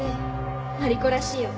マリコらしいよ。